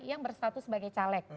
yang berstatus sebagai caleg